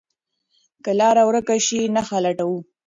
که لاره ورکه شي، نښه لټو.